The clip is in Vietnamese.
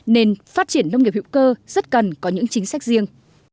nên phát triển nông nghiệp hữu cơ rất cần có những chính sách riêng